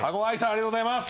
ありがとうございます。